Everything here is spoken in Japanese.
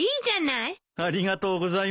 ありがとうございます。